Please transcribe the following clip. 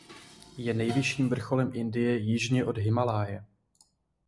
Je nejvyšším vrcholem Indie jižně od Himálaje.